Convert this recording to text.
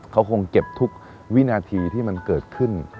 เขาคงเก็บทุกวินาทีที่มันเกิดขึ้น